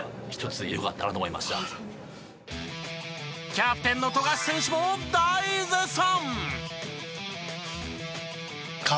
キャプテンの富樫選手も大絶賛！